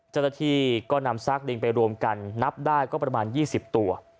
จริงก็นำซากลิงไปรวมกันนับได้ประมาณ๒๐ตัว